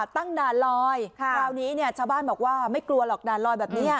ตั้งด่านลอยคราวนี้เนี่ยชาวบ้านบอกว่าไม่กลัวหรอกด่านลอยแบบนี้